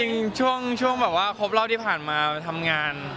จริงช่วงแบบว่าครบรอบที่ผ่านมาทำงาน